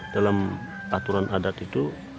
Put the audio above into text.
dalam aturan adat itu